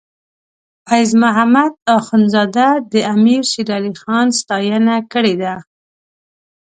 فیض محمد اخونزاده د امیر شیر علی خان ستاینه کړې ده.